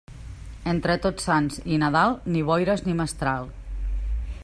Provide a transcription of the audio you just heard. Entre Tots Sants i Nadal, ni boires ni mestral.